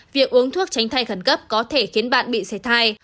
việc uống thuốc tránh thai khẩn cấp có thể khiến bạn bị sẻ thai